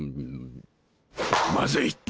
まずい。